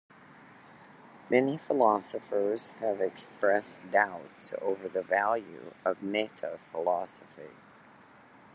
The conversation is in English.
Many philosophers have expressed doubts over the value of metaphilosophy.